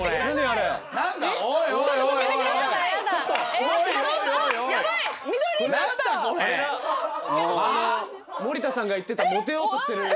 あの森田さんが言ってたモテようとしてる。